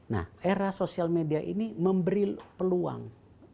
nah era sosial media ini memberi peluang